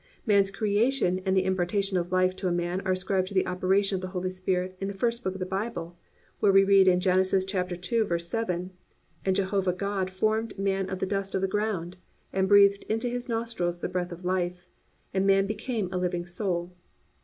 Man's creation and the impartation of life to man are ascribed to the operation of the Holy Spirit in the first book in the Bible, where we read in Genesis 2:7: +"And Jehovah God formed man of the dust of the ground, and breathed into his nostrils the breath of life; and man became a living soul."